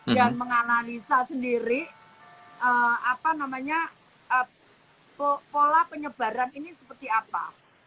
dan menganalisa sendiri apa namanya pola penyebaran ini seperti apa